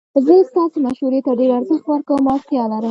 زه ستاسو مشورې ته ډیر ارزښت ورکوم او اړتیا لرم